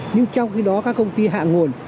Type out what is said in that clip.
nhưng trong khi đó các công ty hạ nguồn